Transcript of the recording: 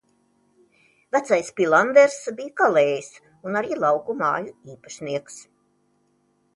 Vecais Pilanders bija kalējs un arī lauku māju īpašnieks.